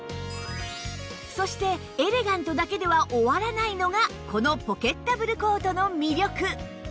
そしてエレガントだけでは終わらないのがこのポケッタブルコートの魅力